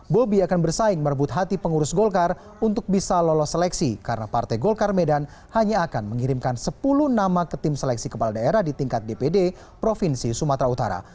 bobi akan bersaing merebut hati pengurus golkar untuk bisa lolos seleksi karena partai golkar medan hanya akan mengirimkan sepuluh nama ke tim seleksi kepala daerah di tingkat dpd provinsi sumatera utara